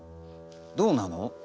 どうなの？